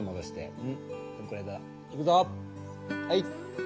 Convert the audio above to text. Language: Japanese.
はい。